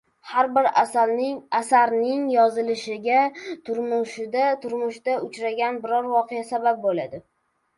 Har bir asarimning yozilishiga turmushda uchragan biror voqea sabab bo‘ladi…